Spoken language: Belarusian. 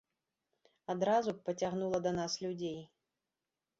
Адразу б пацягнула да нас людзей.